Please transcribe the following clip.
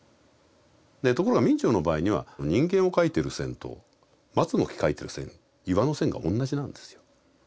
ところが明兆の場合には人間を描いてる線と松の木描いてる線岩の線が同じなんですよ。